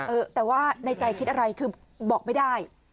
เออแต่ว่าในใจคิดอะไรคือบอกไม่ได้